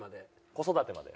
子育てまで。